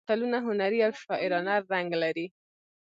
متلونه هنري او شاعرانه رنګ لري